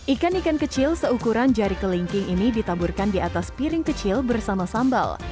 ikan ikan kecil seukuran jari kelingking ini ditaburkan di atas piring kecil bersama sambal